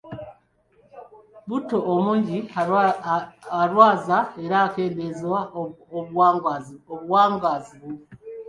Buto omungi alwaza era akendeeza obuwangaazi bwo.